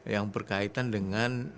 yang berkaitan dengan